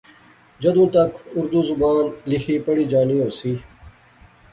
جدوں تک اُردو زبان لیخی پڑھی جانی ہوسی